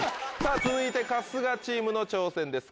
続いて春日チームの挑戦です